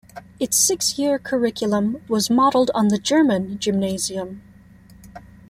Its six-year curriculum was modeled on the German gymnasium.